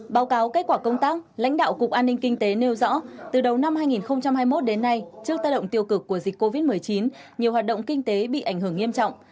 báo cáo kết quả công tác lãnh đạo cục an ninh kinh tế nêu rõ từ đầu năm hai nghìn hai mươi một đến nay trước tác động tiêu cực của dịch covid một mươi chín nhiều hoạt động kinh tế bị ảnh hưởng nghiêm trọng